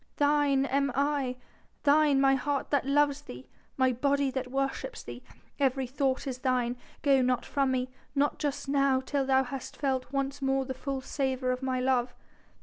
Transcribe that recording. Thine am I thine my heart that loves thee my body that worships thee my every thought is thine.... Go not from me ... not just now till thou hast felt once more the full savour of my love."